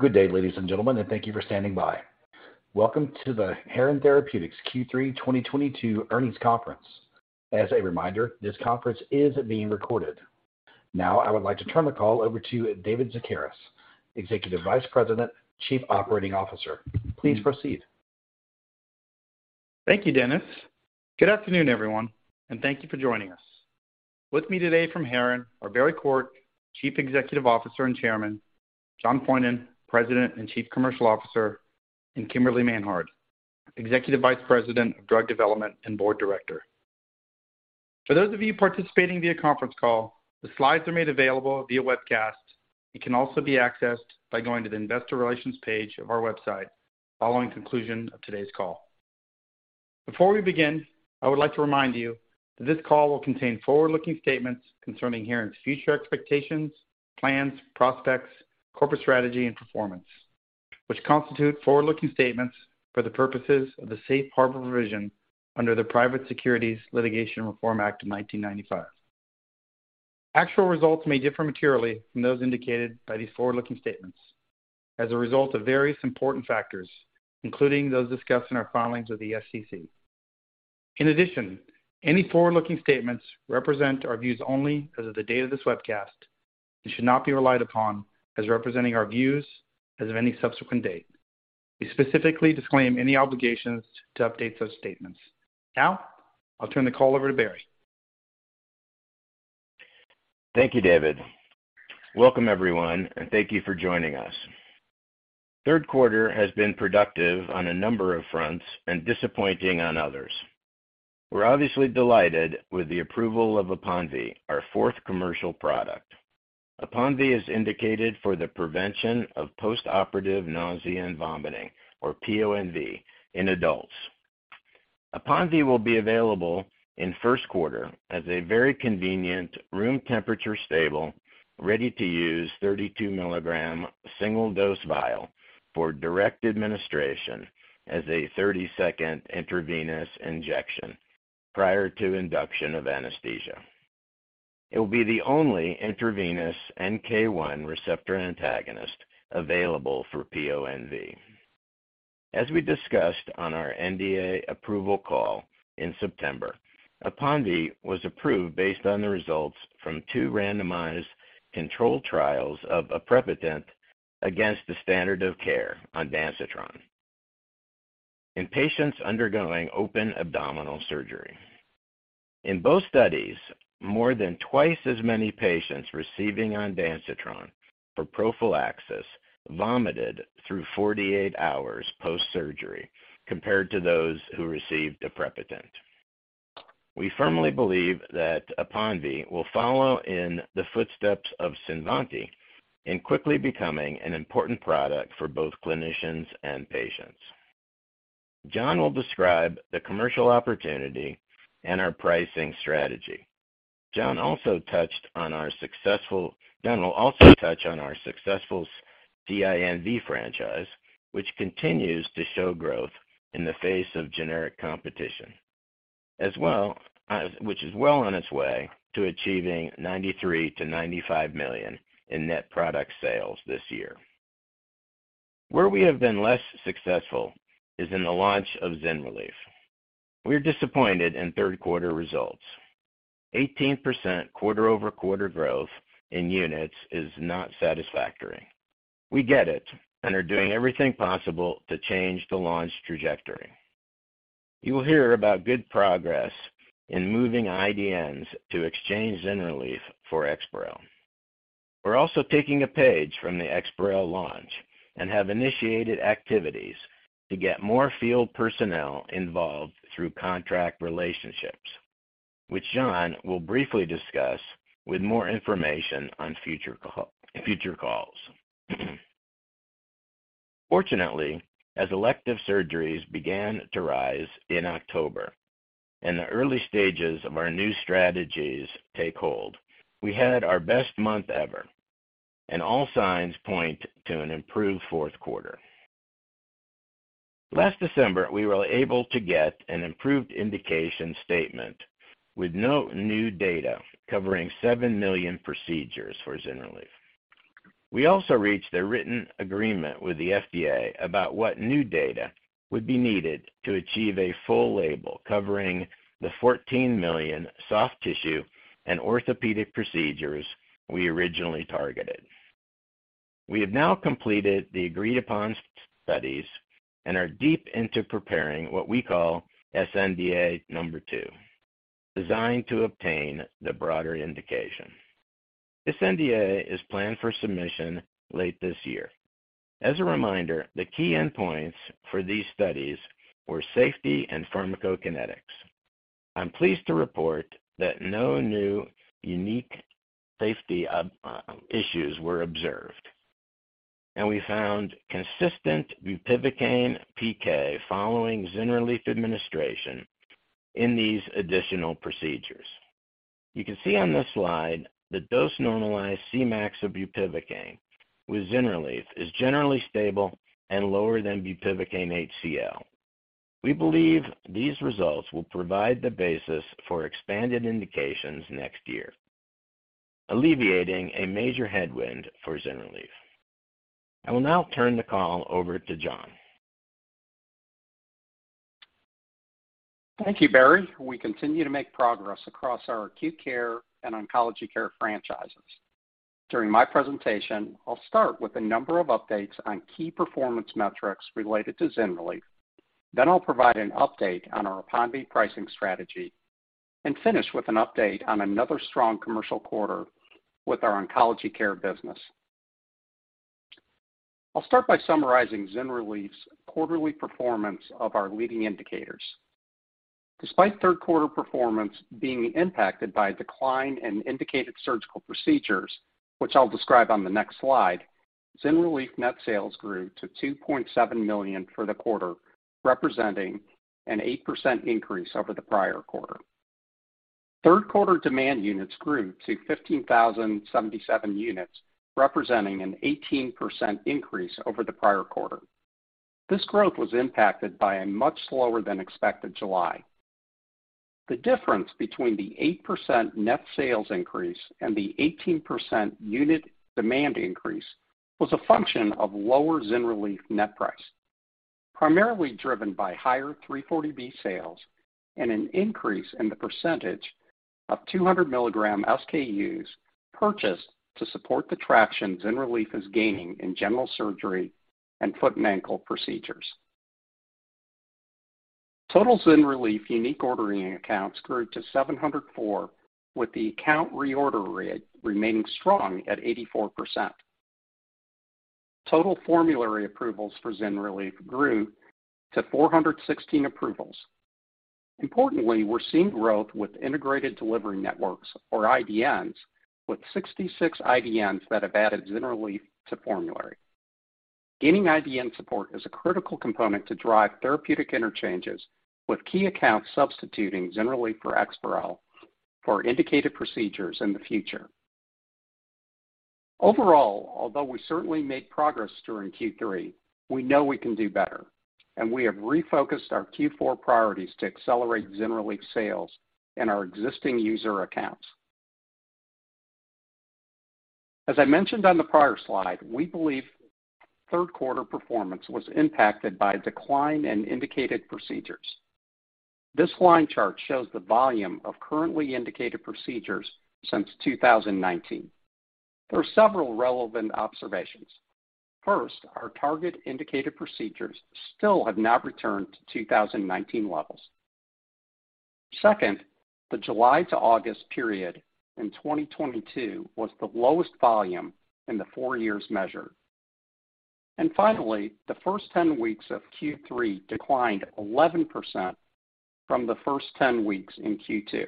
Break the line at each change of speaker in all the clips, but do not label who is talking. Good day, ladies and gentlemen, and thank you for standing by. Welcome to the Heron Therapeutics Q3 2022 earnings conference. As a reminder, this conference is being recorded. I would like to turn the call over to David Szekeres, Executive Vice President, Chief Operating Officer. Please proceed.
Thank you, Dennis. Good afternoon, everyone, and thank you for joining us. With me today from Heron are Barry Quart, Chief Executive Officer and Chairman, John Poyhonen, President and Chief Commercial Officer, and Kimberly Manhard, Executive Vice President of Drug Development and Board Director. For those of you participating via conference call, the slides are made available via webcast and can also be accessed by going to the investor relations page of our website following conclusion of today's call. Before we begin, I would like to remind you that this call will contain forward-looking statements concerning Heron's future expectations, plans, prospects, corporate strategy, and performance, which constitute forward-looking statements for the purposes of the Safe Harbor provision under the Private Securities Litigation Reform Act of 1995. Actual results may differ materially from those indicated by these forward-looking statements as a result of various important factors, including those discussed in our filings with the SEC. In addition, any forward-looking statements represent our views only as of the date of this webcast and should not be relied upon as representing our views as of any subsequent date. We specifically disclaim any obligations to update those statements. I'll turn the call over to Barry.
Thank you, David. Welcome, everyone, and thank you for joining us. Third quarter has been productive on a number of fronts and disappointing on others. We're obviously delighted with the approval of APONVIE, our fourth commercial product. APONVIE is indicated for the prevention of postoperative nausea and vomiting, or PONV, in adults. APONVIE will be available in first quarter as a very convenient, room temperature stable, ready-to-use 32 milligram, single dose vial for direct administration as a 30-second intravenous injection prior to induction of anesthesia. It will be the only intravenous NK1 receptor antagonist available for PONV. As we discussed on our NDA approval call in September, APONVIE was approved based on the results from two randomized controlled trials of aprepitant against the standard of care ondansetron in patients undergoing open abdominal surgery. In both studies, more than twice as many patients receiving ondansetron for prophylaxis vomited through 48 hours post-surgery compared to those who received aprepitant. We firmly believe that APONVIE will follow in the footsteps of CINVANTI in quickly becoming an important product for both clinicians and patients. John will describe the commercial opportunity and our pricing strategy. John will also touch on our successful CINV franchise, which continues to show growth in the face of generic competition. It is well on its way to achieving $93 million to $95 million in net product sales this year. We have been less successful in the launch of ZYNRELEF. We are disappointed in third quarter results. 18% quarter-over-quarter growth in units is not satisfactory. We get it and are doing everything possible to change the launch trajectory. You will hear about good progress in moving IDNs to exchange ZYNRELEF for EXPAREL. We are also taking a page from the EXPAREL launch and have initiated activities to get more field personnel involved through contract relationships, which John will briefly discuss with more information on future calls. As elective surgeries began to rise in October and the early stages of our new strategies take hold, we had our best month ever, and all signs point to an improved fourth quarter. Last December, we were able to get an improved indication statement with no new data covering 7 million procedures for ZYNRELEF. We also reached a written agreement with the FDA about what new data would be needed to achieve a full label covering the 14 million soft tissue and orthopedic procedures we originally targeted. We have now completed the agreed-upon studies and are deep into preparing what we call sNDA number two, designed to obtain the broader indication. This NDA is planned for submission late this year. As a reminder, the key endpoints for these studies were safety and pharmacokinetics. I am pleased to report that no new unique safety issues were observed, and we found consistent bupivacaine PK following ZYNRELEF administration in these additional procedures. You can see on this slide that dose-normalized Cmax of bupivacaine with ZYNRELEF is generally stable and lower than bupivacaine HCl. We believe these results will provide the basis for expanded indications next year, alleviating a major headwind for ZYNRELEF. I will now turn the call over to John.
Thank you, Barry. We continue to make progress across our acute care and oncology care franchises. During my presentation, I will start with a number of updates on key performance metrics related to ZYNRELEF. I will then provide an update on our APONVIE pricing strategy, and finish with an update on another strong commercial quarter with our oncology care business. I will start by summarizing ZYNRELEF's quarterly performance of our leading indicators. Despite third quarter performance being impacted by a decline in indicated surgical procedures, which I will describe on the next slide, ZYNRELEF net sales grew to $2.7 million for the quarter, representing an 8% increase over the prior quarter. Third quarter demand units grew to 15,077 units, representing an 18% increase over the prior quarter. This growth was impacted by a much slower than expected July. The difference between the 8% net sales increase and the 18% unit demand increase was a function of lower ZYNRELEF net price, primarily driven by higher 340B sales and an increase in the percentage of 200 mg SKUs purchased to support the traction ZYNRELEF is gaining in general surgery and foot and ankle procedures. Total ZYNRELEF unique ordering accounts grew to 704, with the account reorder rate remaining strong at 84%. Total formulary approvals for ZYNRELEF grew to 416 approvals. Importantly, we're seeing growth with integrated delivery networks, or IDNs, with 66 IDNs that have added ZYNRELEF to formulary. Gaining IDN support is a critical component to drive therapeutic interchanges, with key accounts substituting ZYNRELEF for EXPAREL for indicated procedures in the future. Overall, although we certainly made progress during Q3, we know we can do better, and we have refocused our Q4 priorities to accelerate ZYNRELEF sales in our existing user accounts. As I mentioned on the prior slide, we believe third quarter performance was impacted by a decline in indicated procedures. This line chart shows the volume of currently indicated procedures since 2019. There are several relevant observations. First, our target indicated procedures still have not returned to 2019 levels. Second, the July to August period in 2022 was the lowest volume in the four years measured. Finally, the first 10 weeks of Q3 declined 11% from the first 10 weeks in Q2.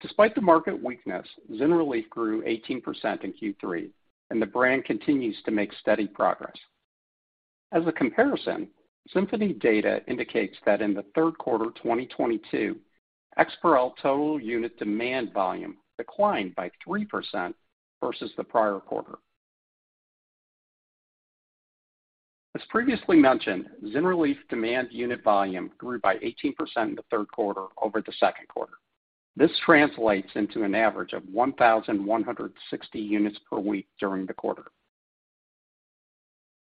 Despite the market weakness, ZYNRELEF grew 18% in Q3, and the brand continues to make steady progress. As a comparison, Symphony data indicates that in the third quarter 2022, EXPAREL total unit demand volume declined by 3% versus the prior quarter. As previously mentioned, ZYNRELEF demand unit volume grew by 18% in the third quarter over the second quarter. This translates into an average of 1,160 units per week during the quarter.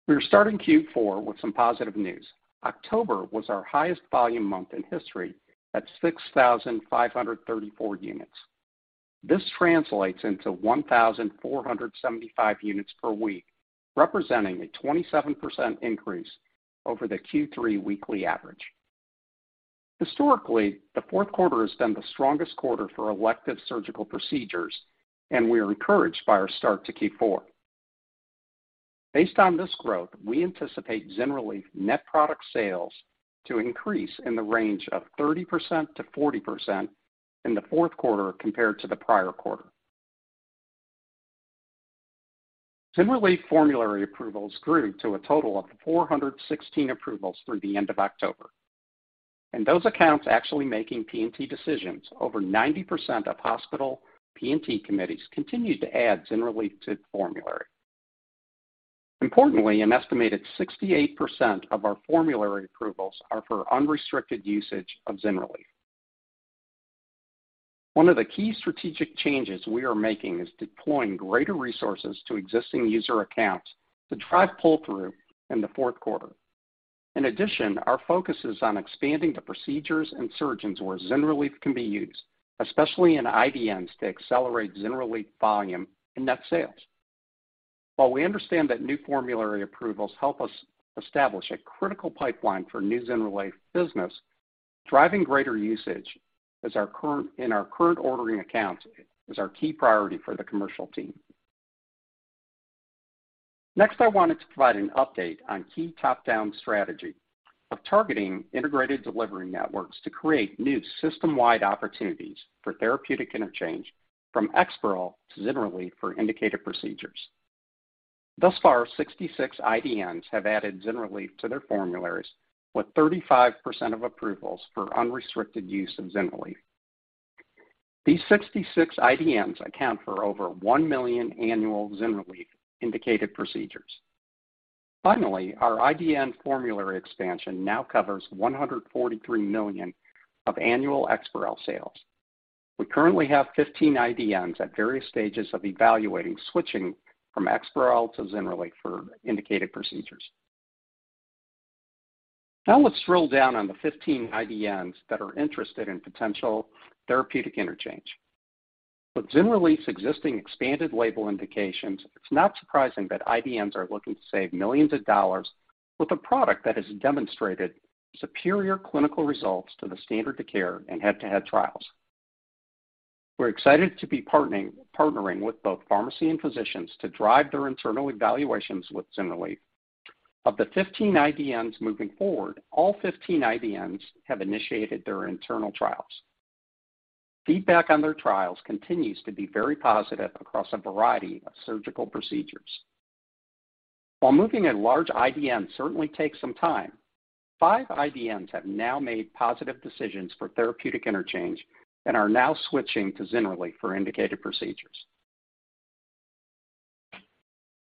We are starting Q4 with some positive news. October was our highest volume month in history at 6,534 units. This translates into 1,475 units per week, representing a 27% increase over the Q3 weekly average. Historically, the fourth quarter has been the strongest quarter for elective surgical procedures, and we are encouraged by our start to Q4. Based on this growth, we anticipate ZYNRELEF net product sales to increase in the range of 30%-40% in the fourth quarter compared to the prior quarter. ZYNRELEF formulary approvals grew to a total of 416 approvals through the end of October. In those accounts actually making P&T decisions, over 90% of hospital P&T committees continued to add ZYNRELEF to the formulary. Importantly, an estimated 68% of our formulary approvals are for unrestricted usage of ZYNRELEF. One of the key strategic changes we are making is deploying greater resources to existing user accounts to drive pull-through in the fourth quarter. In addition, our focus is on expanding the procedures and surgeons where ZYNRELEF can be used, especially in IDNs, to accelerate ZYNRELEF volume and net sales. While we understand that new formulary approvals help us establish a critical pipeline for new ZYNRELEF business, driving greater usage in our current ordering accounts is our key priority for the commercial team. Next, I wanted to provide an update on key top-down strategy of targeting integrated delivery networks to create new system-wide opportunities for therapeutic interchange from EXPAREL to ZYNRELEF for indicated procedures. Thus far, 66 IDNs have added ZYNRELEF to their formularies, with 35% of approvals for unrestricted use of ZYNRELEF. These 66 IDNs account for over 1 million annual ZYNRELEF indicated procedures. Finally, our IDN formulary expansion now covers $143 million of annual EXPAREL sales. We currently have 15 IDNs at various stages of evaluating switching from EXPAREL to ZYNRELEF for indicated procedures. Let's drill down on the 15 IDNs that are interested in potential therapeutic interchange. With ZYNRELEF's existing expanded label indications, it's not surprising that IDNs are looking to save millions of dollars with a product that has demonstrated superior clinical results to the standard of care in head-to-head trials. We're excited to be partnering with both pharmacy and physicians to drive their internal evaluations with ZYNRELEF. Of the 15 IDNs moving forward, all 15 IDNs have initiated their internal trials. Feedback on their trials continues to be very positive across a variety of surgical procedures. While moving a large IDN certainly takes some time, five IDNs have now made positive decisions for therapeutic interchange and are now switching to ZYNRELEF for indicated procedures.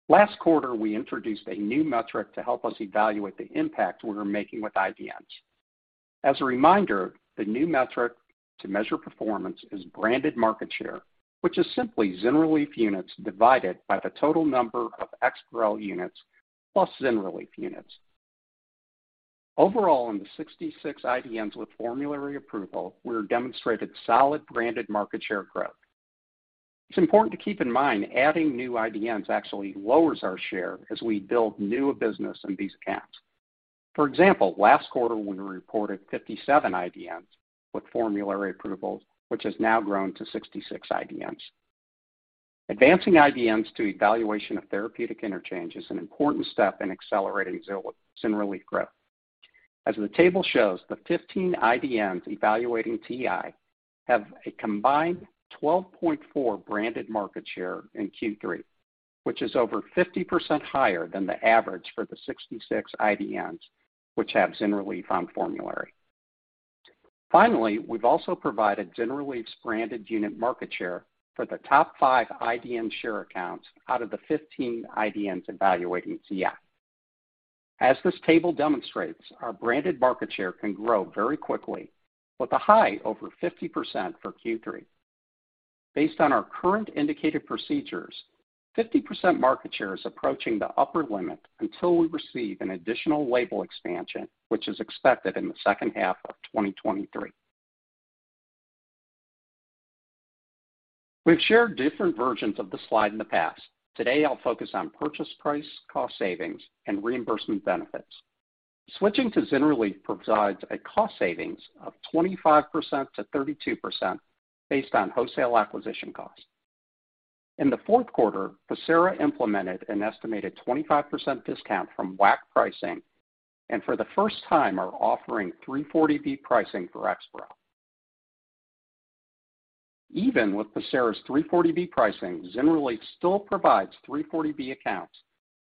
Last quarter, we introduced a new metric to help us evaluate the impact we are making with IDNs. As a reminder, the new metric to measure performance is branded market share, which is simply ZYNRELEF units divided by the total number of EXPAREL units, plus ZYNRELEF units. Overall, in the 66 IDNs with formulary approval, we have demonstrated solid branded market share growth. It's important to keep in mind, adding new IDNs actually lowers our share as we build new business in these accounts. For example, last quarter, we reported 57 IDNs with formulary approvals, which has now grown to 66 IDNs. Advancing IDNs to evaluation of therapeutic interchange is an important step in accelerating ZYNRELEF growth. As the table shows, the 15 IDNs evaluating TI have a combined 12.4% branded market share in Q3, which is over 50% higher than the average for the 66 IDNs which have ZYNRELEF on formulary. Finally, we've also provided ZYNRELEF's branded unit market share for the top five IDN share accounts out of the 15 IDNs evaluating TI. As this table demonstrates, our branded market share can grow very quickly with a high over 50% for Q3. Based on our current indicated procedures, 50% market share is approaching the upper limit until we receive an additional label expansion, which is expected in the second half of 2023. We've shared different versions of this slide in the past. Today, I'll focus on purchase price, cost savings, and reimbursement benefits. Switching to ZYNRELEF provides a cost savings of 25%-32%, based on wholesale acquisition cost. In the fourth quarter, Pacira implemented an estimated 25% discount from WAC pricing, and for the first time, are offering 340B pricing for EXPAREL. Even with Pacira's 340B pricing, ZYNRELEF still provides 340B accounts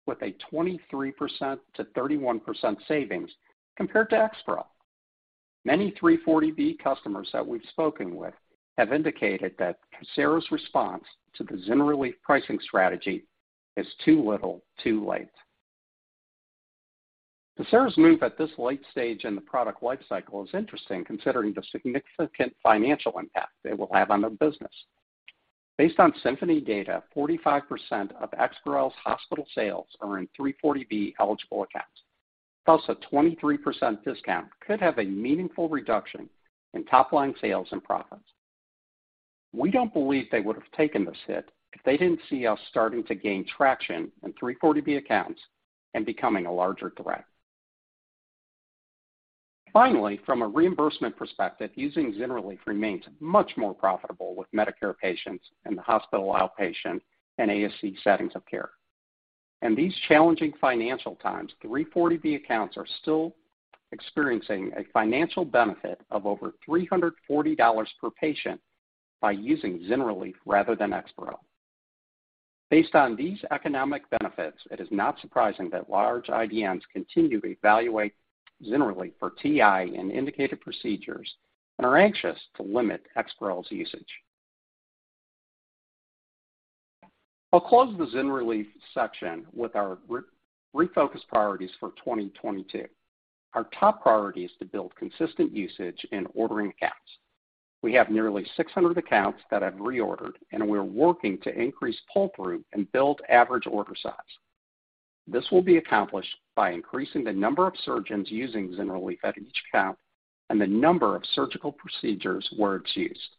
with a 23%-31% savings compared to EXPAREL. Many 340B customers that we've spoken with have indicated that Pacira's response to the ZYNRELEF pricing strategy is too little, too late. Pacira's move at this late stage in the product life cycle is interesting considering the significant financial impact it will have on their business. Based on Symphony data, 45% of EXPAREL's hospital sales are in 340B eligible accounts. Thus, a 23% discount could have a meaningful reduction in top line sales and profits. We don't believe they would have taken this hit if they didn't see us starting to gain traction in 340B accounts and becoming a larger threat. Finally, from a reimbursement perspective, using ZYNRELEF remains much more profitable with Medicare patients in the hospital outpatient and ASC settings of care. In these challenging financial times, 340B accounts are still experiencing a financial benefit of over $340 per patient by using ZYNRELEF rather than EXPAREL. Based on these economic benefits, it is not surprising that large IDNs continue to evaluate ZYNRELEF for TI in indicated procedures and are anxious to limit EXPAREL's usage. I'll close the ZYNRELEF section with our refocused priorities for 2022. Our top priority is to build consistent usage in ordering accounts. We have nearly 600 accounts that have reordered, and we are working to increase pull-through and build average order size. This will be accomplished by increasing the number of surgeons using ZYNRELEF at each account and the number of surgical procedures where it's used.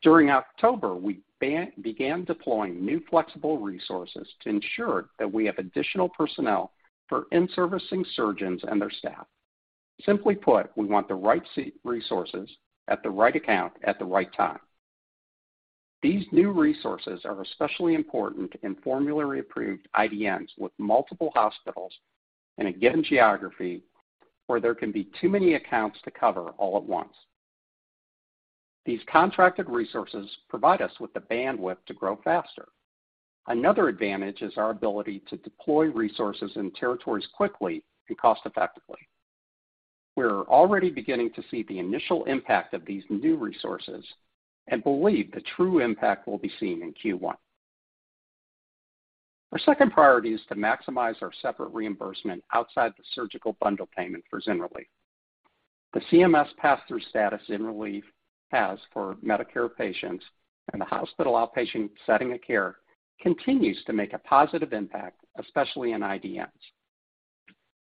During October, we began deploying new flexible resources to ensure that we have additional personnel for in-servicing surgeons and their staff. Simply put, we want the right resources at the right account at the right time. These new resources are especially important in formulary-approved IDNs with multiple hospitals in a given geography where there can be too many accounts to cover all at once. These contracted resources provide us with the bandwidth to grow faster. Another advantage is our ability to deploy resources in territories quickly and cost effectively. We are already beginning to see the initial impact of these new resources and believe the true impact will be seen in Q1. Our second priority is to maximize our separate reimbursement outside the surgical bundle payment for ZYNRELEF. The CMS pass-through status ZYNRELEF has for Medicare patients and the hospital outpatient setting of care continues to make a positive impact, especially in IDNs.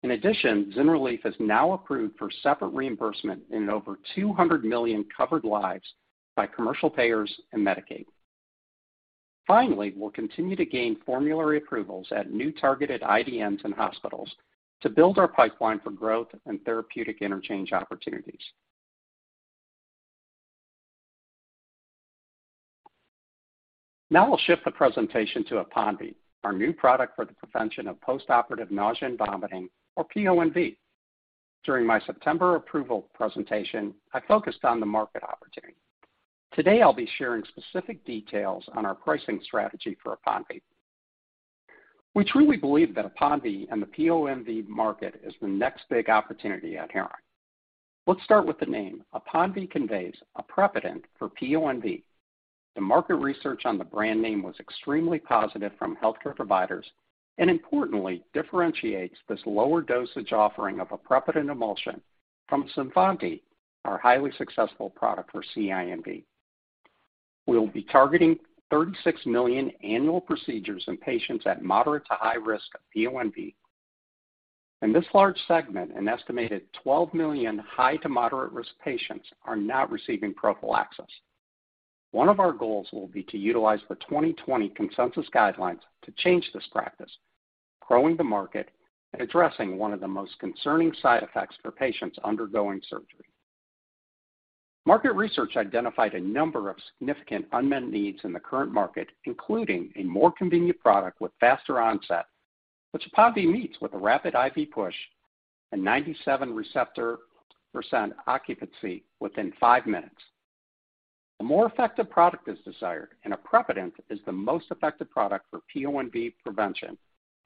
In addition, ZYNRELEF is now approved for separate reimbursement in over 200 million covered lives by commercial payers and Medicaid. Finally, we'll continue to gain formulary approvals at new targeted IDNs and hospitals to build our pipeline for growth and therapeutic interchange opportunities. Now we'll shift the presentation to APONVIE, our new product for the prevention of postoperative nausea and vomiting, or PONV. During my September approval presentation, I focused on the market opportunity. Today, I'll be sharing specific details on our pricing strategy for APONVIE. We truly believe that APONVIE and the PONV market is the next big opportunity at Heron. Let's start with the name. APONVIE conveys aprepitant for PONV. The market research on the brand name was extremely positive from healthcare providers, and importantly, differentiates this lower dosage offering of aprepitant emulsion from CINVANTI, our highly successful product for CINV. We'll be targeting 36 million annual procedures in patients at moderate to high risk of PONV. In this large segment, an estimated 12 million high to moderate risk patients are not receiving prophylaxis. One of our goals will be to utilize the 2020 consensus guidelines to change this practice, growing the market, and addressing one of the most concerning side effects for patients undergoing surgery. Market research identified a number of significant unmet needs in the current market, including a more convenient product with faster onset, which APONVIE meets with a rapid IV push, a 97% receptor occupancy within five minutes. A more effective product is desired, and aprepitant is the most effective product for PONV prevention,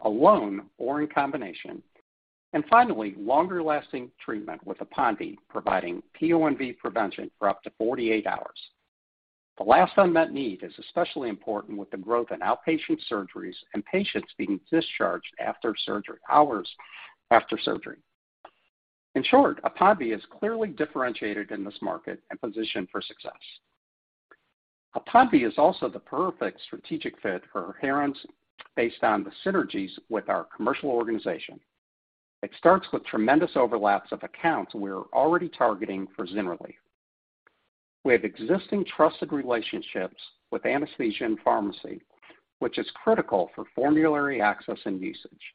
alone or in combination. Finally, longer lasting treatment with APONVIE providing PONV prevention for up to 48 hours. The last unmet need is especially important with the growth in outpatient surgeries and patients being discharged hours after surgery. In short, APONVIE is clearly differentiated in this market and positioned for success. APONVIE is also the perfect strategic fit for Heron's based on the synergies with our commercial organization. It starts with tremendous overlaps of accounts we are already targeting for ZYNRELEF. We have existing trusted relationships with anesthesia and pharmacy, which is critical for formulary access and usage.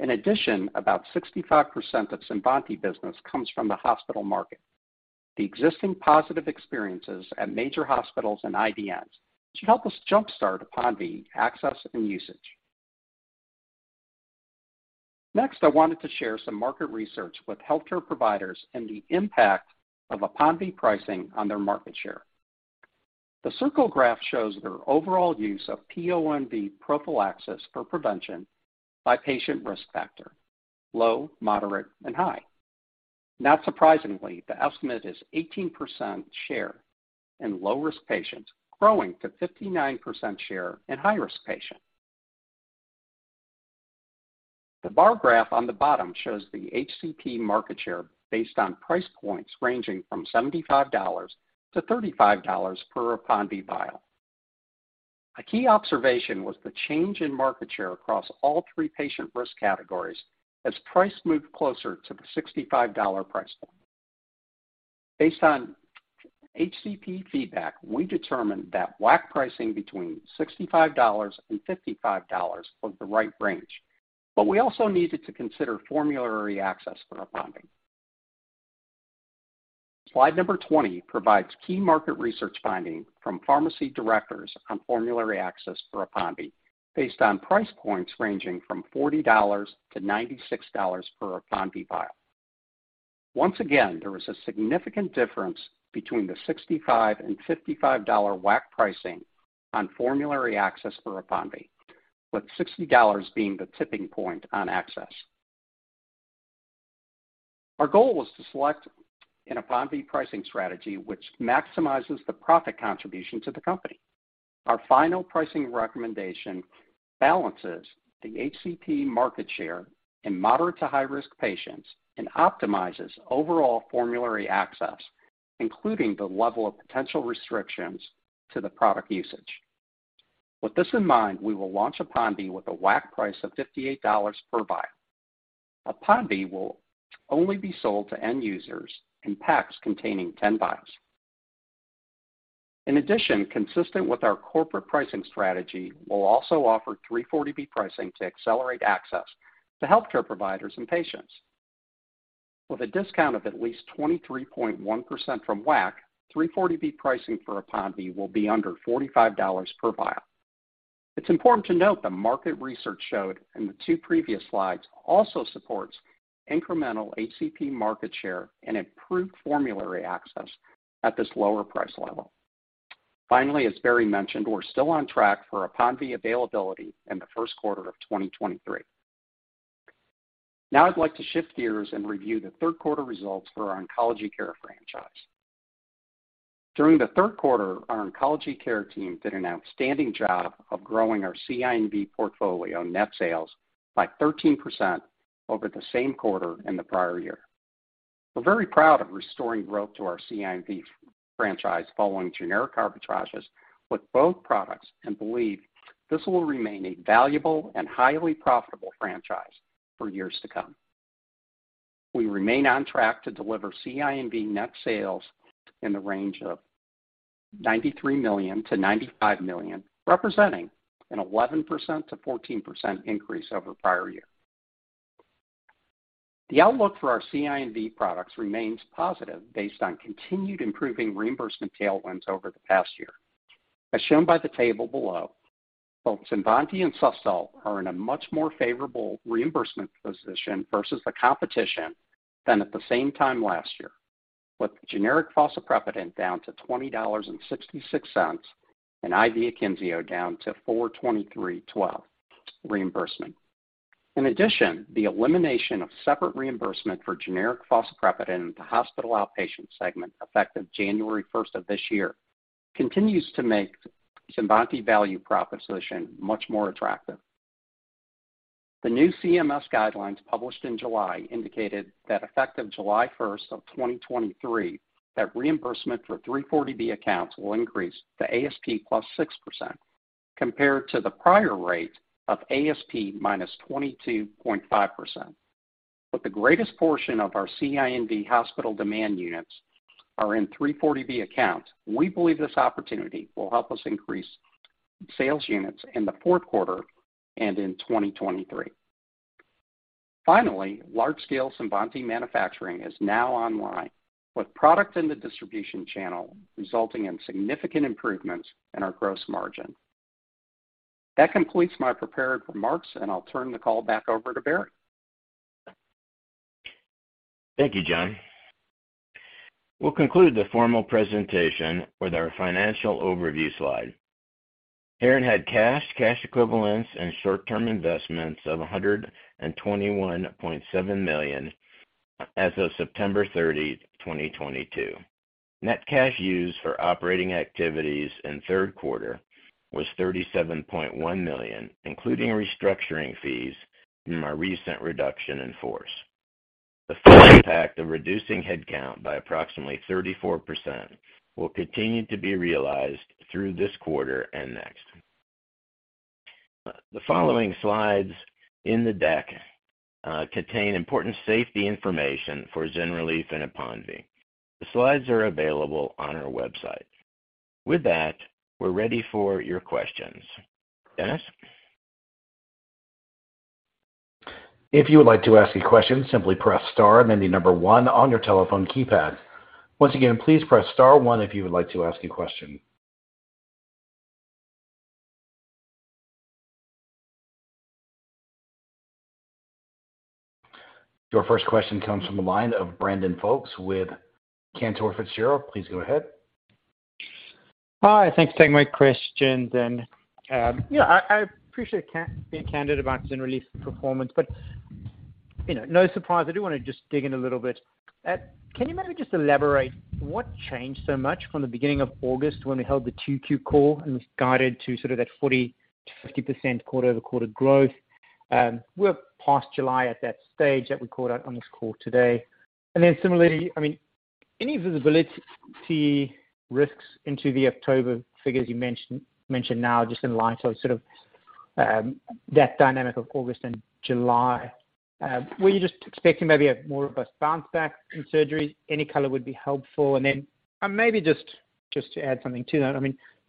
In addition, about 65% of CINVANTI business comes from the hospital market. The existing positive experiences at major hospitals and IDNs should help us jumpstart APONVIE access and usage. Next, I wanted to share some market research with healthcare providers and the impact of APONVIE pricing on their market share. The circle graph shows their overall use of PONV prophylaxis for prevention by patient risk factor, low, moderate, and high. Not surprisingly, the estimate is 18% share in low risk patients, growing to 59% share in high risk patients. The bar graph on the bottom shows the HCP market share based on price points ranging from $75-$35 per APONVIE vial. A key observation was the change in market share across all three patient risk categories as price moved closer to the $65 price point. Based on HCP feedback, we determined that WAC pricing between $65 and $55 was the right range, but we also needed to consider formulary access for APONVIE. Slide number 20 provides key market research finding from pharmacy directors on formulary access for APONVIE based on price points ranging from $40-$96 per APONVIE vial. Once again, there was a significant difference between the $65 and $55 WAC pricing on formulary access for APONVIE, with $60 being the tipping point on access. Our goal was to select an APONVIE pricing strategy which maximizes the profit contribution to the company. Our final pricing recommendation balances the HCP market share in moderate to high risk patients and optimizes overall formulary access, including the level of potential restrictions to the product usage. With this in mind, we will launch APONVIE with a WAC price of $58 per vial. APONVIE will only be sold to end users in packs containing 10 vials. In addition, consistent with our corporate pricing strategy, we'll also offer 340B pricing to accelerate access to healthcare providers and patients. With a discount of at least 23.1% from WAC, 340B pricing for APONVIE will be under $45 per vial. It's important to note the market research showed in the two previous slides also supports incremental HCP market share and improved formulary access at this lower price level. Finally, as Barry mentioned, we're still on track for APONVIE availability in the first quarter of 2023. Now I'd like to shift gears and review the third quarter results for our oncology care franchise. During the third quarter, our oncology care team did an outstanding job of growing our CINV portfolio net sales by 13% over the same quarter in the prior year. We're very proud of restoring growth to our CINV franchise following generic arbitrages with both products and believe this will remain a valuable and highly profitable franchise for years to come. We remain on track to deliver CINV net sales in the range of $93 million to $95 million, representing an 11% to 14% increase over prior year. The outlook for our CINV products remains positive based on continued improving reimbursement tailwinds over the past year. As shown by the table below, both CINVANTI and SUSTOL are in a much more favorable reimbursement position versus the competition than at the same time last year, with generic fosaprepitant down to $20.66 and IV AKYNZEO down to $423.12 reimbursement. The elimination of separate reimbursement for generic fosaprepitant in the hospital outpatient segment effective January 1st of this year, continues to make CINVANTI value proposition much more attractive. The new CMS guidelines published in July indicated that effective July 1st of 2023, that reimbursement for 340B accounts will increase to ASP plus 6%, compared to the prior rate of ASP minus 22.5%. With the greatest portion of our CINV hospital demand units are in 340B accounts, we believe this opportunity will help us increase sales units in the fourth quarter and in 2023. Large-scale CINVANTI manufacturing is now online with product in the distribution channel, resulting in significant improvements in our gross margin. That completes my prepared remarks. I'll turn the call back over to Barry.
Thank you, John. We'll conclude the formal presentation with our financial overview slide. Heron had cash equivalents, and short-term investments of $121.7 million as of September 30, 2022. Net cash used for operating activities in third quarter was $37.1 million, including restructuring fees from our recent reduction in force. The full impact of reducing headcount by approximately 34% will continue to be realized through this quarter and next. The following slides in the deck contain important safety information for ZYNRELEF and APONVIE. The slides are available on our website. With that, we're ready for your questions. Dennis?
If you would like to ask a question, simply press star and then the number one on your telephone keypad. Once again, please press star one if you would like to ask a question. Your first question comes from the line of Brandon Folkes with Cantor Fitzgerald. Please go ahead.
Hi, thanks for taking my questions. I appreciate being candid about ZYNRELEF performance. No surprise, I do want to just dig in a little bit. Can you maybe just elaborate what changed so much from the beginning of August when we held the 2Q call and was guided to sort of that 40%-50% quarter-over-quarter growth? We're past July at that stage that we called out on this call today. Similarly, any visibility risks into the October figures you mentioned now, just in light of that dynamic of August and July? Were you just expecting maybe a more of a bounce back in surgeries? Any color would be helpful. Maybe just to add something to that,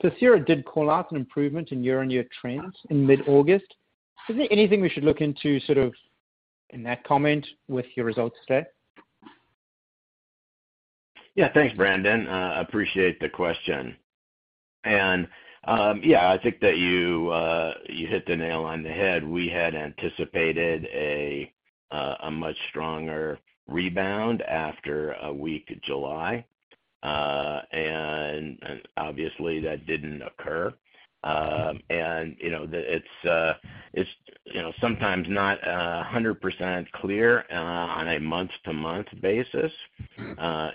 Pacira did call out an improvement in year-on-year trends in mid-August. Is there anything we should look into sort of in that comment with your results today?
Thanks, Brandon. Appreciate the question. I think that you hit the nail on the head. We had anticipated a much stronger rebound after a weak July. Obviously, that didn't occur. It's sometimes not 100% clear on a month-to-month basis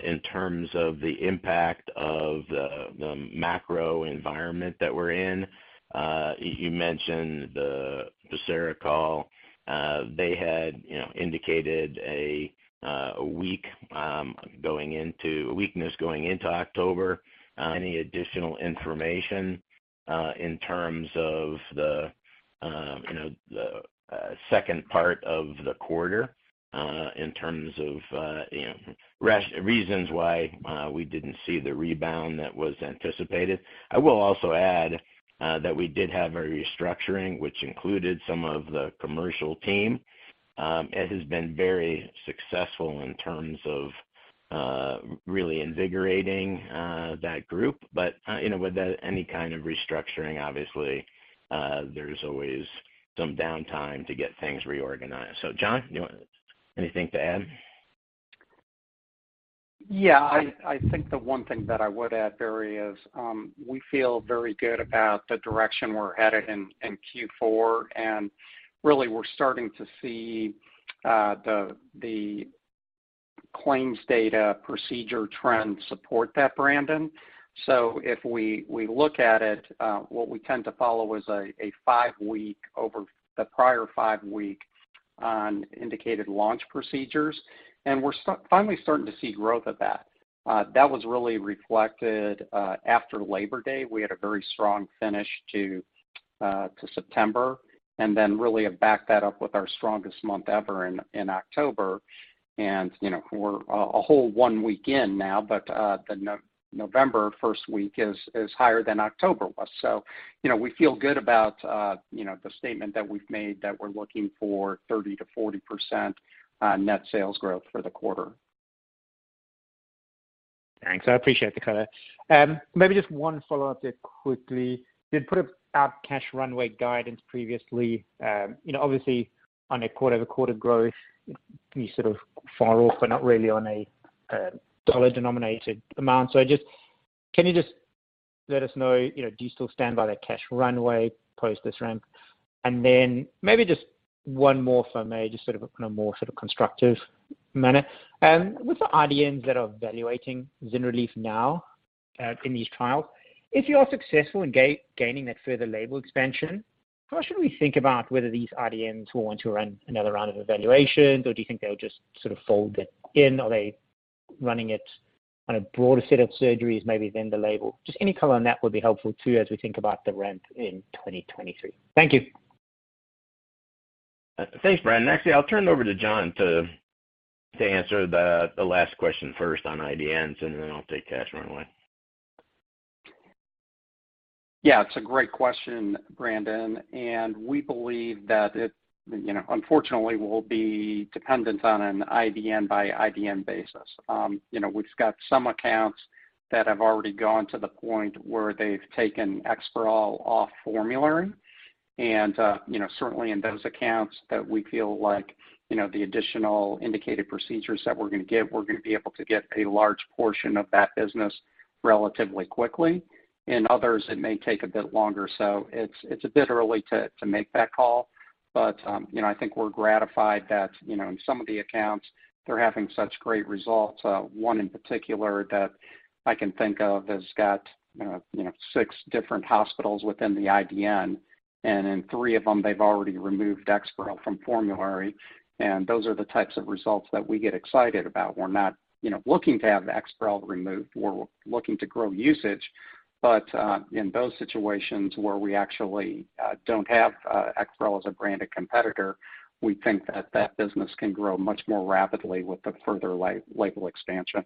in terms of the impact of the macro environment that we're in. You mentioned the Pacira call. They had indicated a weakness going into October. Any additional information in terms of the second part of the quarter in terms of reasons why we didn't see the rebound that was anticipated. I will also add that we did have a restructuring which included some of the commercial team. It has been very successful in terms of really invigorating that group. With any kind of restructuring, obviously, there's always some downtime to get things reorganized. John, anything to add?
Yeah. I think the one thing that I would add, Barry, is we feel very good about the direction we're headed in Q4. Really, we're starting to see the claims data procedure trends support that, Brandon. If we look at it, what we tend to follow is a five-week over the prior five week on indicated launch procedures, and we're finally starting to see growth of that. That was really reflected after Labor Day. We had a very strong finish to September. Then really have backed that up with our strongest month ever in October. We're a whole one week in now, the November first week is higher than October was. We feel good about the statement that we've made, that we're looking for 30%-40% net sales growth for the quarter.
Thanks. I appreciate the color. Maybe just one follow-up there quickly. You did put out cash runway guidance previously. Obviously, on a quarter-over-quarter growth, you sort of fall off, but not really on a dollar-denominated amount. Can you just let us know, do you still stand by that cash runway post this ramp? Then maybe just one more from me, just sort of in a more constructive manner. With the IDNs that are evaluating ZYNRELEF now in these trials, if you are successful in gaining that further label expansion, how should we think about whether these IDNs will want to run another round of evaluations, or do you think they'll just sort of fold it in? Are they running it on a broader set of surgeries maybe than the label? Just any color on that would be helpful too as we think about the ramp in 2023. Thank you.
Thanks, Brandon. Actually, I'll turn it over to John to answer the last question first on IDNs. Then I'll take cash runway.
Yeah, it's a great question, Brandon, we believe that it, unfortunately, will be dependent on an IDN-by-IDN basis. We've got some accounts that have already gone to the point where they've taken EXPAREL off formulary, and certainly in those accounts that we feel like the additional indicated procedures that we're going to give, we're going to be able to get a large portion of that business relatively quickly. In others, it may take a bit longer. It's a bit early to make that call. I think we're gratified that in some of the accounts, they're having such great results. One in particular that I can think of has got six different hospitals within the IDN, and in three of them, they've already removed EXPAREL from formulary, and those are the types of results that we get excited about. We're not looking to have EXPAREL removed. We're looking to grow usage. In those situations where we actually don't have EXPAREL as a branded competitor, we think that that business can grow much more rapidly with the further label expansion.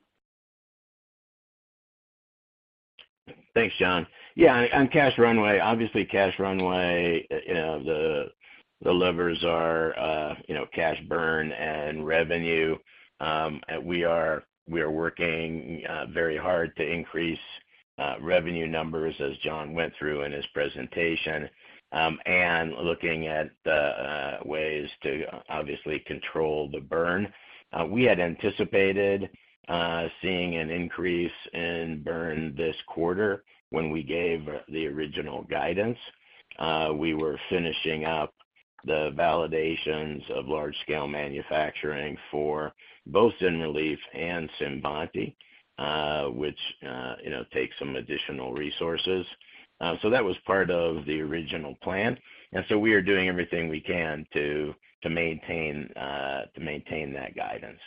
Thanks, John. Yeah, on cash runway, obviously, cash runway, the levers are cash burn and revenue. We are working very hard to increase revenue numbers as John went through in his presentation, and looking at the ways to obviously control the burn. We had anticipated seeing an increase in burn this quarter when we gave the original guidance. We were finishing up the validations of large-scale manufacturing for both ZYNRELEF and CINVANTI, which takes some additional resources. That was part of the original plan. We are doing everything we can to maintain that guidance.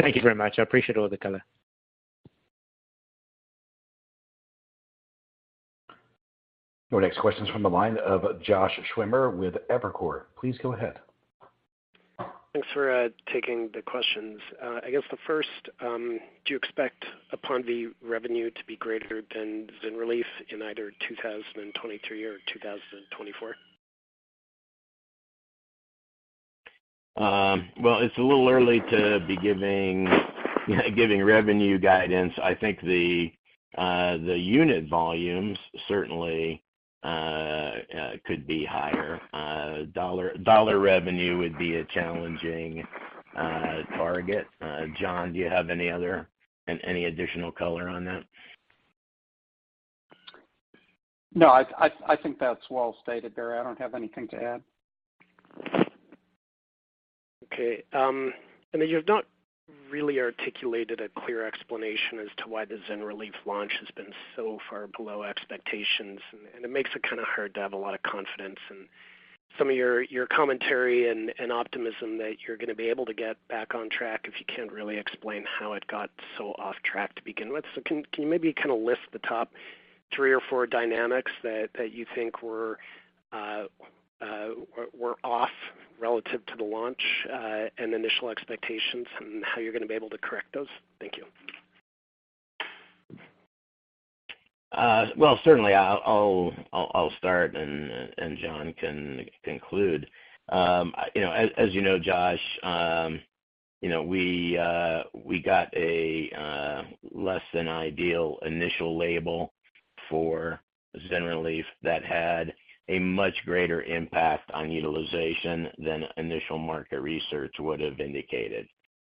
Thank you very much. I appreciate all the color.
Your next question is from the line of Josh Schimmer with Evercore. Please go ahead.
Thanks for taking the questions. I guess the first, do you expect APONVIE revenue to be greater than ZYNRELEF in either 2023 or 2024?
Well, it's a little early to be giving revenue guidance. I think the unit volumes certainly could be higher. Dollar revenue would be a challenging target. John, do you have any additional color on that?
No, I think that's well stated, Barry. I don't have anything to add.
Okay. You've not really articulated a clear explanation as to why the ZYNRELEF launch has been so far below expectations, it makes it kind of hard to have a lot of confidence in some of your commentary and optimism that you're going to be able to get back on track if you can't really explain how it got so off track to begin with. Can you maybe kind of list the top three or four dynamics that you think were off relative to the launch and initial expectations, and how you're going to be able to correct those? Thank you.
Well, certainly. I'll start and John can conclude. As you know, Josh, we got a less than ideal initial label for ZYNRELEF that had a much greater impact on utilization than initial market research would've indicated.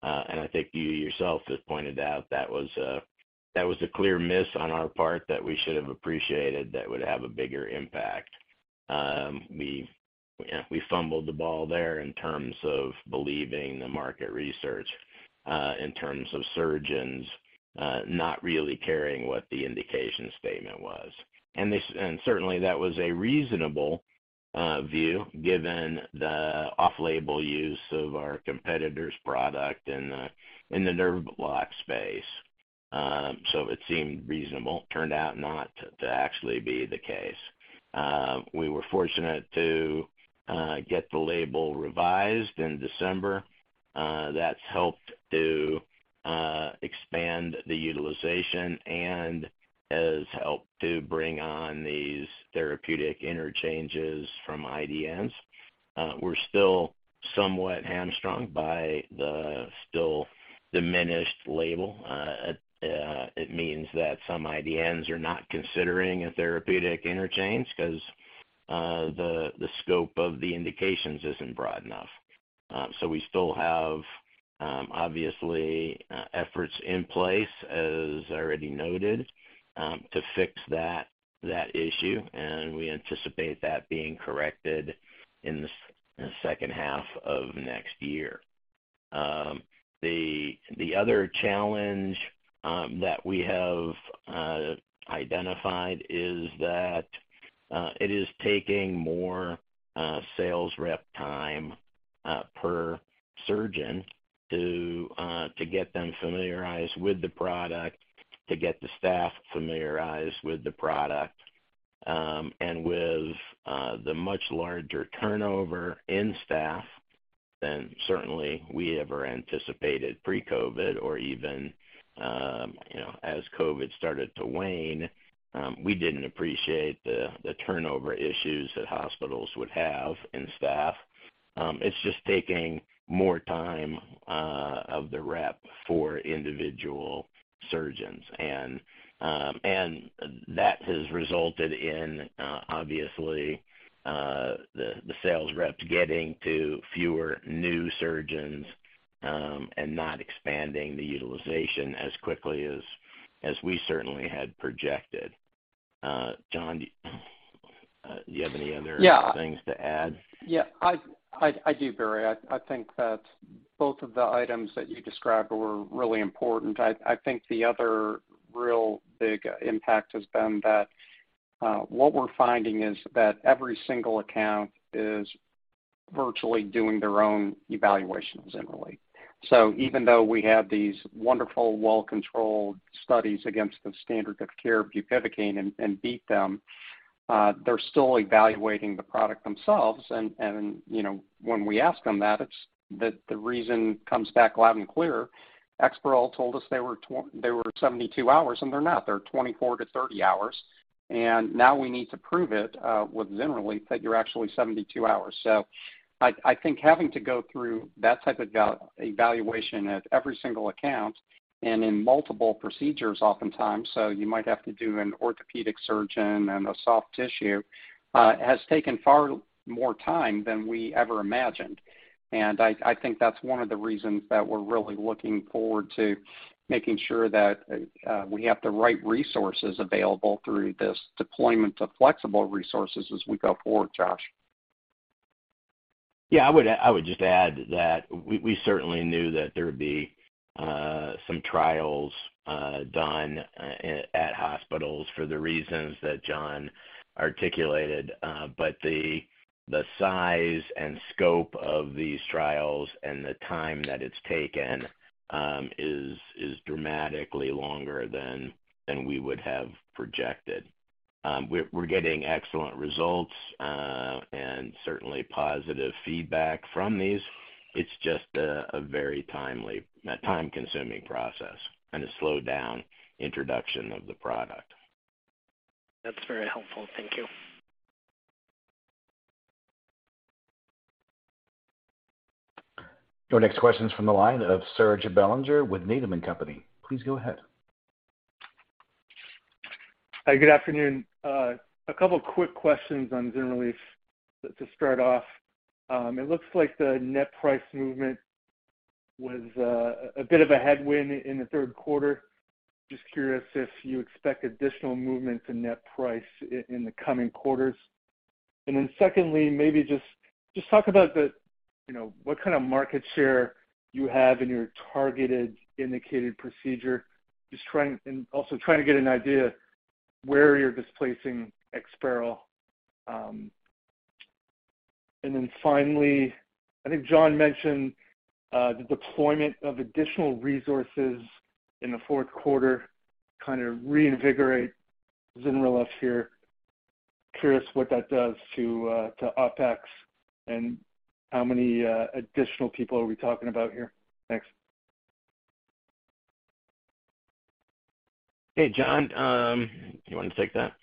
I think you yourself have pointed out that was a clear miss on our part that we should have appreciated that would have a bigger impact. We fumbled the ball there in terms of believing the market research, in terms of surgeons not really caring what the indication statement was. Certainly that was a reasonable view given the off-label use of our competitor's product in the nerve block space. It seemed reasonable, turned out not to actually be the case. We were fortunate to get the label revised in December. That's helped to expand the utilization and has helped to bring on these therapeutic interchanges from IDNs. We're still somewhat hamstrung by the still diminished label. It means that some IDNs are not considering a therapeutic interchange because the scope of the indications isn't broad enough. We still have, obviously, efforts in place as already noted, to fix that issue, we anticipate that being corrected in the second half of next year. The other challenge that we have identified is that it is taking more sales rep time per surgeon to get them familiarized with the product, to get the staff familiarized with the product. With the much larger turnover in staff than certainly we ever anticipated pre-COVID or even as COVID started to wane, we didn't appreciate the turnover issues that hospitals would have in staff. It's just taking more time of the rep for individual surgeons, that has resulted in, obviously, the sales reps getting to fewer new surgeons, not expanding the utilization as quickly as we certainly had projected. John, do you have any other-
Yeah
things to add?
Yeah, I do, Barry. I think that both of the items that you described were really important. I think the other real big impact has been that what we're finding is that every single account is virtually doing their own evaluation of ZYNRELEF. Even though we have these wonderful, well-controlled studies against the standard of care bupivacaine and beat them, they're still evaluating the product themselves. When we ask them that, the reason comes back loud and clear. EXPAREL told us they were 72 hours, and they're not. They're 24 to 30 hours, and now we need to prove it with ZYNRELEF that you're actually 72 hours. I think having to go through that type of evaluation at every single account and in multiple procedures oftentimes, so you might have to do an orthopedic surgeon and a soft tissue, has taken far more time than we ever imagined. I think that's one of the reasons that we're really looking forward to making sure that we have the right resources available through this deployment of flexible resources as we go forward, Josh.
Yeah, I would just add that we certainly knew that there would be some trials done at hospitals for the reasons that John articulated. The size and scope of these trials and the time that it's taken is dramatically longer than we would have projected. We're getting excellent results, and certainly positive feedback from these. It's just a very time-consuming process and a slowed down introduction of the product.
That's very helpful. Thank you.
Your next question's from the line of Serge Belanger with Needham & Company. Please go ahead.
Hi, good afternoon. A couple quick questions on ZYNRELEF to start off. It looks like the net price movement was a bit of a headwind in the third quarter. Just curious if you expect additional movement to net price in the coming quarters. Secondly, maybe just talk about what kind of market share you have in your targeted indicated procedure. Just also trying to get an idea where you're displacing EXPAREL. Finally, I think John mentioned the deployment of additional resources in the fourth quarter, kind of reinvigorate ZYNRELEF here. Curious what that does to OpEx and how many additional people are we talking about here? Thanks.
Hey, John, you want to take that?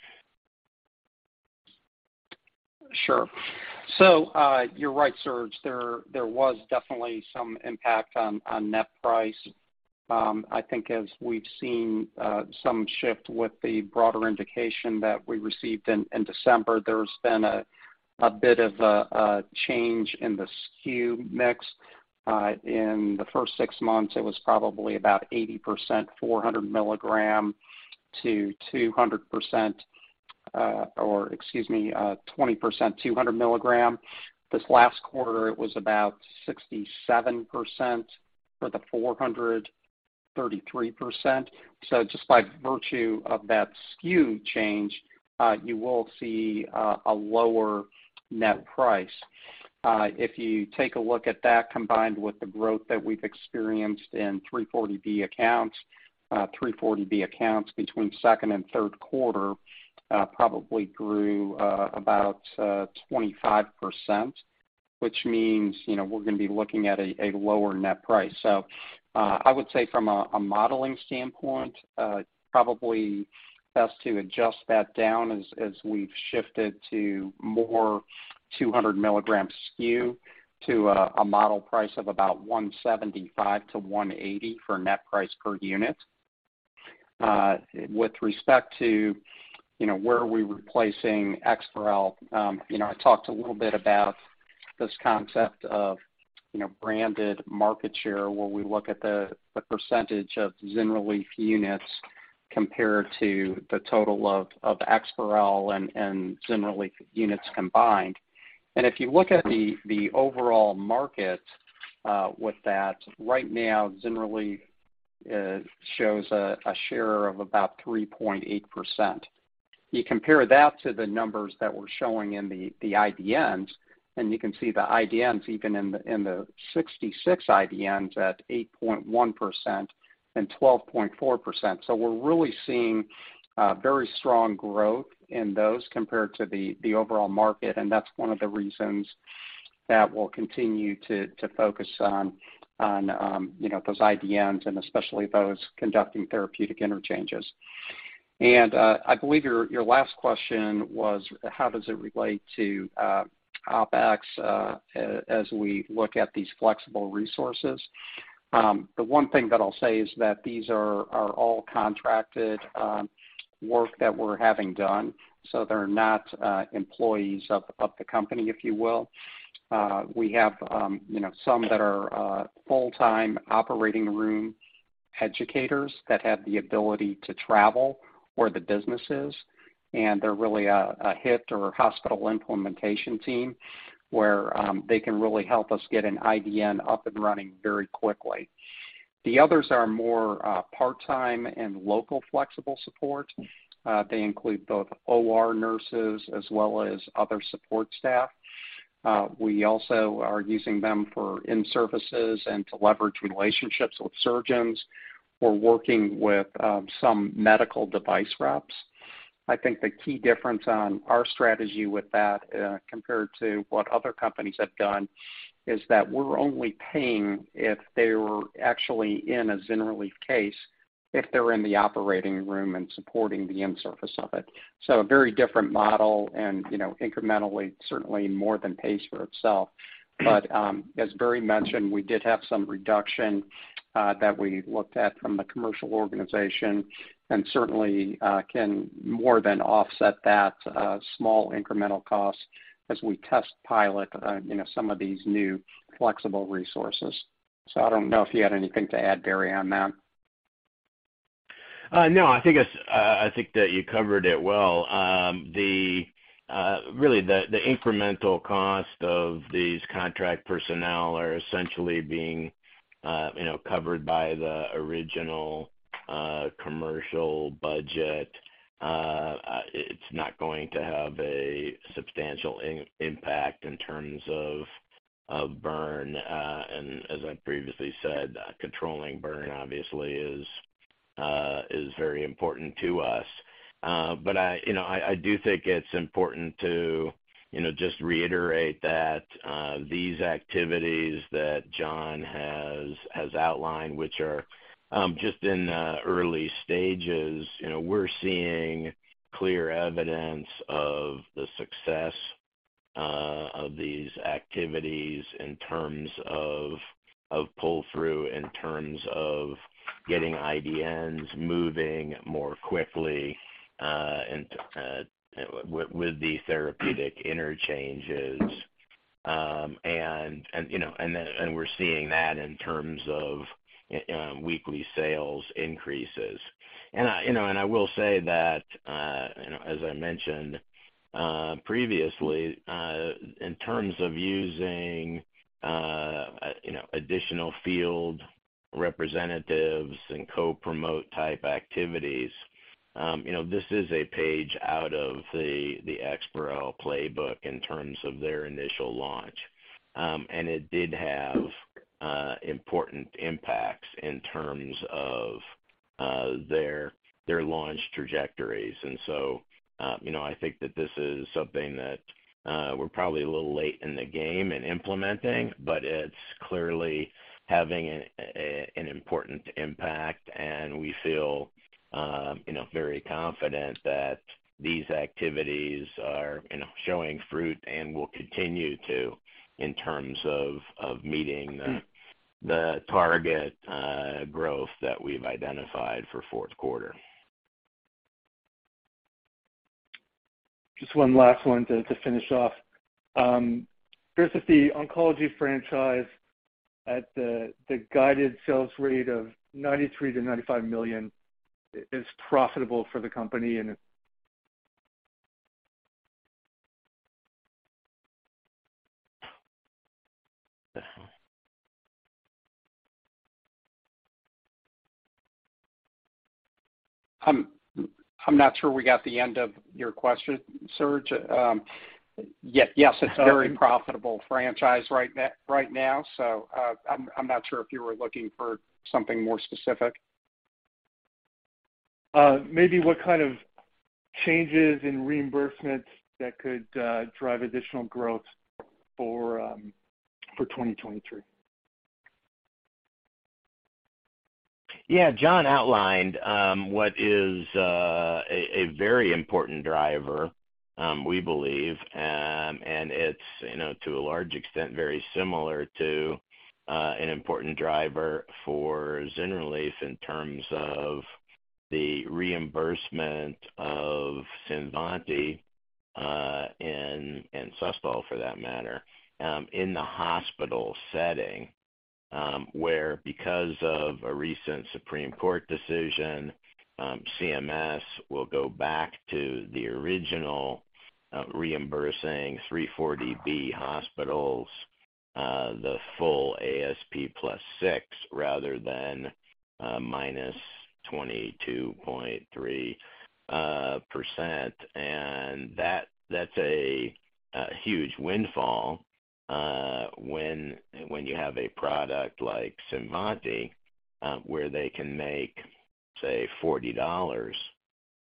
Sure. You're right, Serge. There was definitely some impact on net price. I think as we've seen some shift with the broader indication that we received in December, there's been a bit of a change in the SKU mix. In the first six months, it was probably about 80% 400 milligram to 200 milligram. This last quarter, it was about 67% for the 400, 33%. Just by virtue of that SKU change, you will see a lower net price. If you take a look at that combined with the growth that we've experienced in 340B accounts, 340B accounts between second and third quarter, probably grew about 25%, which means we're going to be looking at a lower net price. I would say from a modeling standpoint, probably best to adjust that down as we've shifted to more 200 milligram SKU to a model price of about $175 to $180 for net price per unit. With respect to where are we replacing EXPAREL, I talked a little bit about this concept of branded market share, where we look at the percentage of ZYNRELEF units compared to the total of EXPAREL and ZYNRELEF units combined. If you look at the overall market, with that right now, ZYNRELEF shows a share of about 3.8%. You compare that to the numbers that we're showing in the IDNs, and you can see the IDNs, even in the 66 IDNs, at 8.1% and 12.4%. We're really seeing very strong growth in those compared to the overall market, and that's one of the reasons that we'll continue to focus on those IDNs and especially those conducting therapeutic interchanges. I believe your last question was how does it relate to OpEx, as we look at these flexible resources. The one thing that I'll say is that these are all contracted work that we're having done, so they're not employees of the company, if you will. We have some that are full-time operating room educators that have the ability to travel where the business is, and they're really a HIT or hospital implementation team, where they can really help us get an IDN up and running very quickly. The others are more part-time and local flexible support. They include both OR nurses as well as other support staff. We also are using them for in-services and to leverage relationships with surgeons. We're working with some medical device reps. I think the key difference on our strategy with that, compared to what other companies have done, is that we're only paying if they were actually in a ZYNRELEF case, if they're in the operating room and supporting the in-service of it. A very different model and incrementally, certainly more than pays for itself. As Barry mentioned, we did have some reduction that we looked at from the commercial organization and certainly can more than offset that small incremental cost as we test pilot some of these new flexible resources. I don't know if you had anything to add, Barry, on that.
No, I think that you covered it well. Really the incremental cost of these contract personnel are essentially being covered by the original commercial budget. It's not going to have a substantial impact in terms of burn. As I previously said, controlling burn obviously is very important to us. I do think it's important to just reiterate that these activities that John has outlined, which are just in the early stages. We're seeing clear evidence of the success of these activities in terms of pull-through, in terms of getting IDNs moving more quickly with the therapeutic interchanges. We're seeing that in terms of weekly sales increases. I will say that, as I mentioned previously, in terms of using additional field representatives and co-promote type activities, this is a page out of the EXPAREL playbook in terms of their initial launch. It did have important impacts in terms of their launch trajectories. I think that this is something that we're probably a little late in the game in implementing, but it's clearly having an important impact, and we feel very confident that these activities are showing fruit and will continue to in terms of meeting the target growth that we've identified for fourth quarter.
Just one last one to finish off. Chris, if the oncology franchise at the guided sales rate of $93 million to $95 million is profitable for the company and-
I'm not sure we got the end of your question, Serge. Yes, it's a very profitable franchise right now. I'm not sure if you were looking for something more specific.
Maybe what kind of changes in reimbursement that could drive additional growth for 2023.
Yeah. John outlined what is a very important driver, we believe, and it's, to a large extent, very similar to an important driver for ZYNRELEF in terms of the reimbursement of CINVANTI, and SUSTOL, for that matter, in the hospital setting. Where because of a recent Supreme Court decision, CMS will go back to the original reimbursing 340B hospitals the full ASP plus 6 rather than minus 22.3%. That's a huge windfall when you have a product like CINVANTI where they can make, say, $40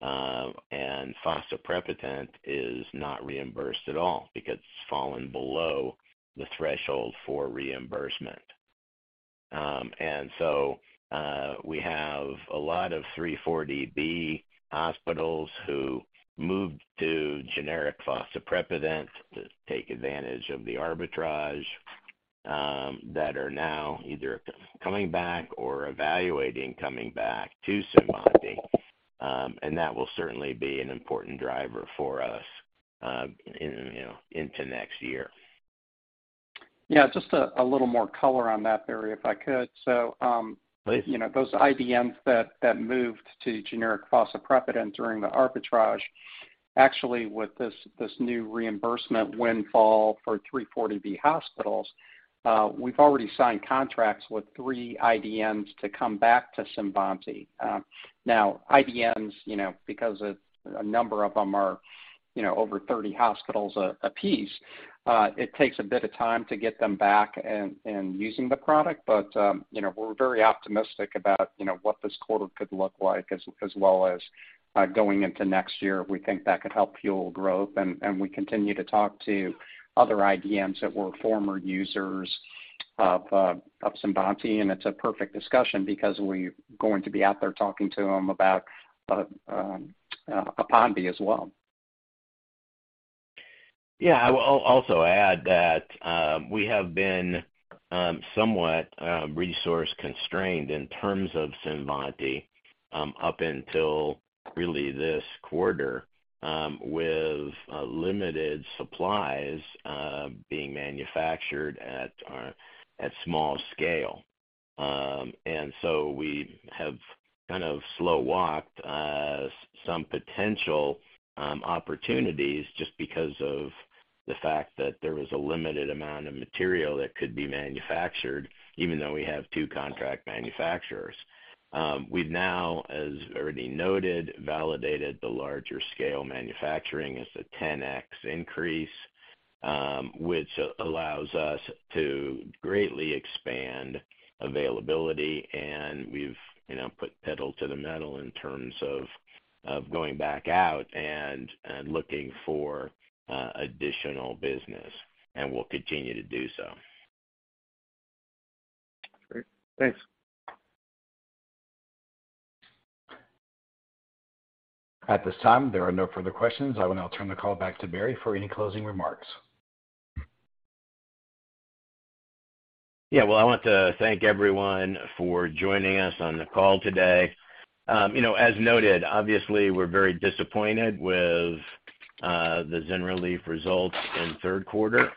and fosaprepitant is not reimbursed at all because it's fallen below the threshold for reimbursement. We have a lot of 340B hospitals who moved to generic fosaprepitant to take advantage of the arbitrage that are now either coming back or evaluating coming back to CINVANTI. That will certainly be an important driver for us into next year.
Yeah, just a little more color on that, Barry, if I could.
Please
Those IDNs that moved to generic fosaprepitant during the arbitrage, actually, with this new reimbursement windfall for 340B hospitals, we've already signed contracts with three IDNs to come back to CINVANTI. IDNs, because a number of them are over 30 hospitals a piece, it takes a bit of time to get them back and using the product. We're very optimistic about what this quarter could look like as well as going into next year. We think that could help fuel growth, and we continue to talk to other IDNs that were former users of CINVANTI, and it's a perfect discussion because we're going to be out there talking to them about APONVIE as well.
I will also add that we have been somewhat resource-constrained in terms of APONVIE up until really this quarter with limited supplies being manufactured at small scale. We have kind of slow-walked some potential opportunities just because of the fact that there was a limited amount of material that could be manufactured even though we have two contract manufacturers. We've now, as already noted, validated the larger scale manufacturing. It's a 10X increase, which allows us to greatly expand availability, and we've put pedal to the metal in terms of going back out and looking for additional business, and we'll continue to do so.
Great. Thanks.
At this time, there are no further questions. I will now turn the call back to Barry for any closing remarks.
Well, I want to thank everyone for joining us on the call today. As noted, obviously, we're very disappointed with the ZYNRELEF results in the third quarter,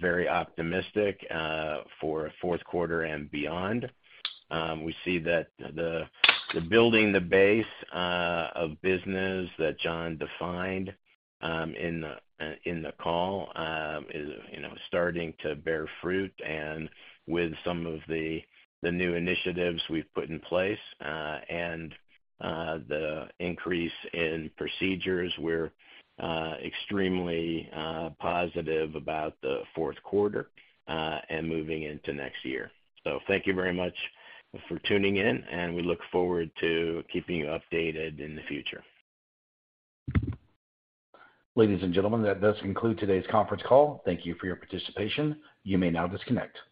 very optimistic for fourth quarter and beyond. We see that the building the base of business that John defined in the call is starting to bear fruit. With some of the new initiatives we've put in place, and the increase in procedures, we're extremely positive about the fourth quarter and moving into next year. Thank you very much for tuning in, and we look forward to keeping you updated in the future.
Ladies and gentlemen, that does conclude today's conference call. Thank you for your participation. You may now disconnect. Goodbye.